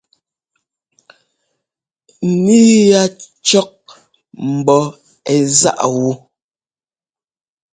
Níi ya cɔ́k ḿbɔ́ ɛ́ záꞌ wú.